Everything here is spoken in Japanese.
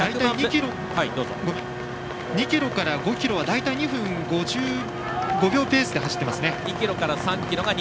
２ｋｍから５ｋｍは大体２分５５秒ペースで走っていますね。